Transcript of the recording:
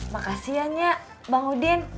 makasih ya bang udin